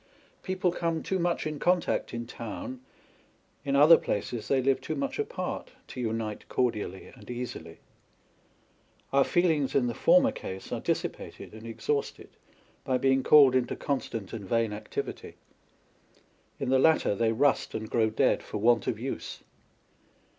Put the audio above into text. People come too much in contact in town, in other places they live too much apart, to unite cordially and easily. Our feelings, in the former case, are dissipated and exhausted by being called into constant and vain activity ; in the latter they rust and grow dead for want of use.